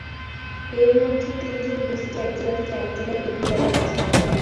এর মধ্যে তিনজন ডিসিকে এক জেলা থেকে আরেক জেলায় বদলি করা হয়েছে।